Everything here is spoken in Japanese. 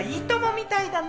みたいだね！